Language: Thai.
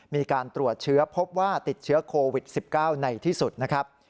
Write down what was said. มีการตรวจเชื้อพบว่าติดเชื้อโควิด๑๙ในที่สุดนะครับ